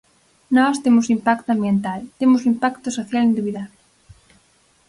Nós temos o impacto ambiental, temos o impacto social indubidable.